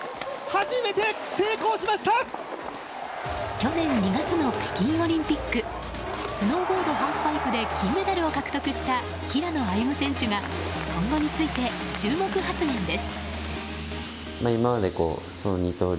去年２月の北京オリンピックスノーボードハーフパイプで金メダルを獲得した平野歩夢選手が今後について注目発言です。